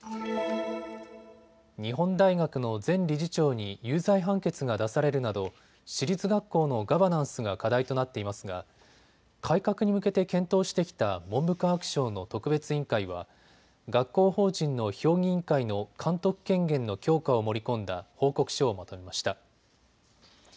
日本大学の前理事長に有罪判決が出されるなど私立学校のガバナンスが課題となっていますが改革に向けて検討してきた文部科学省の特別委員会は学校法人の評議員会の監督権限の強化を盛り込んだ報告書をまとめました。